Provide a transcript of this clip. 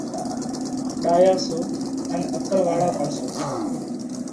ڏايا سو ان عقل واۯا پڻ سو۔